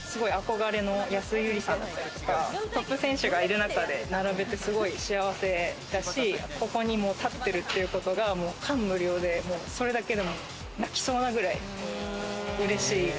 すごい憧れの安井友梨さんがトップ選手がいる中で並べて、すごい幸せだしここに立ってるっていうことがもう感無量で、それだけでも泣きそうなくらい、うれしい！